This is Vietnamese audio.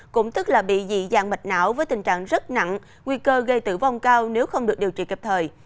cũng tức là bị dị dạng mạch não với tình trạng rất nặng nguy cơ gây tử vong cao nếu không được điều trị kịp thời